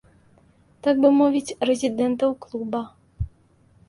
Так бы мовіць, рэзідэнтаў клуба.